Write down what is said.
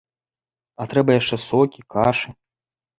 А трэба яшчэ сокі, кашы.